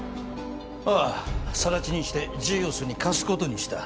ああ更地にしてジーオスに貸すことにした。